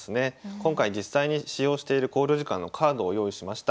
今回実際に使用している考慮時間のカードを用意しました。